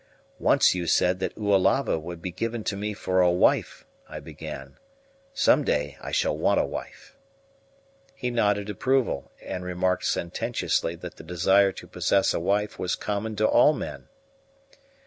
"Once you said that Oalava would be given to me for a wife," I began. "Some day I shall want a wife." He nodded approval, and remarked sententiously that the desire to possess a wife was common to all men.